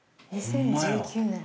２０１９年。